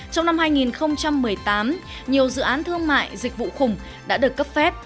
trong năm hai nghìn một mươi tám nhiều dự án thương mại dịch vụ khủng đã được cấp phép